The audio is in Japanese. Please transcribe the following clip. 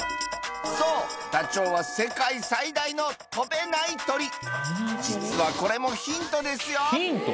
そうダチョウは世界最大の飛べない鳥実はこれもヒントですよ